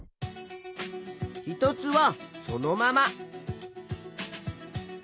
一つはそのまま。